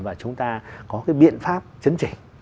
và chúng ta có cái biện pháp chấn chỉnh